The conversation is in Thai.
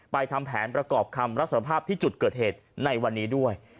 ทำแผนประกอบคำรับสารภาพที่จุดเกิดเหตุในวันนี้ด้วย